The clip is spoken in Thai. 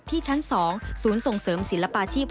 ชั้น๒ศูนย์ส่งเสริมศิลปาชีพ